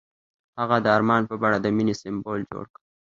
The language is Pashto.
هغه د آرمان په بڼه د مینې سمبول جوړ کړ.